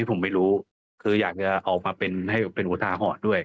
ที่ผมไม่รู้คือยากจะเอามาให้เป็นวัตถ์หอดด้วย